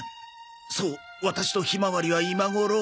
「そう私とひまわりは今頃」。